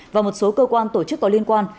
và một số cơ quan tổ chức có liên quan